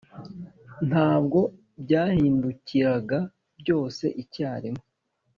Ntabwo byahindukiraga byose icyarimwe.